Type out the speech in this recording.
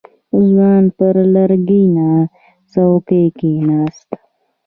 ځوان پر لرګينه څوکۍ کېناست.